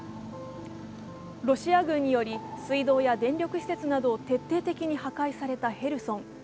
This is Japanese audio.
ロシア軍により水道や電力施設などを徹底的に破壊されたヘルソン。